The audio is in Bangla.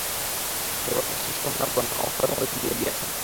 জগতের শ্রেষ্ঠ মানবগণ অজ্ঞাতভাবেই চলিয়া গিয়াছেন।